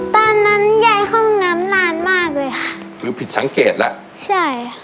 ตอนนั้นยายเข้าห้องน้ำนานมากเลยค่ะคือผิดสังเกตแล้วใช่ค่ะ